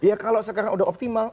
ya kalau sekarang udah optimal